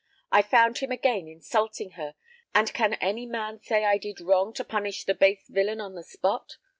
I found him again insulting her; and can any man say I did wrong to punish the base villain on the spot?